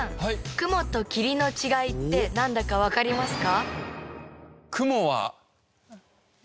雲と霧の違いってなんだかわかりますか？